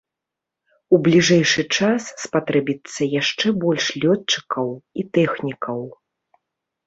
У бліжэйшы час спатрэбіцца яшчэ больш лётчыкаў і тэхнікаў.